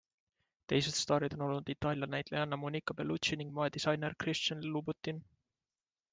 Teised staarid on olnud Itaalia näitlejanna Monica Bellucci ning moedisainer Christian Louboutin.